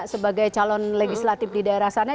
sebagai calon legislatif di daerah sana